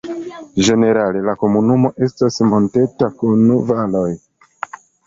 Ĝenerale la komunumo estas monteta kun valoj.